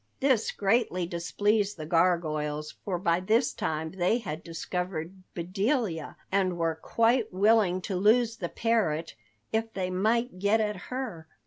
This greatly displeased the gargoyles for by this time they had discovered Bedelia, and were quite willing to lose the parrot if they might get at her.